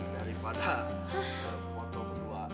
daripada foto berdua